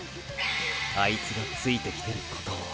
あいつがついてきてることを。